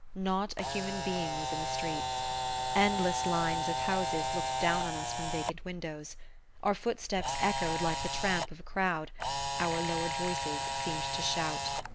Not a human being was in the streets. Endless lines of houses looked down on us from vacant windows. Our footsteps echoed like the tramp of a crowd, our lowered voices seemed to shout.